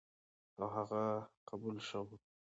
او هغه قبول شوی و،